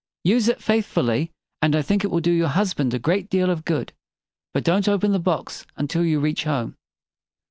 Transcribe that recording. "Use it faith ful ly, and I think it will do your husband a great deal of good. But don't open the box until you reach home."